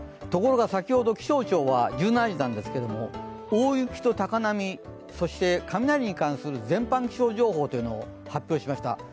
ところが先ほど気象庁は１７時なんですけど、大雪と高波、そして雷に関する全般気象情報というものを発表しました。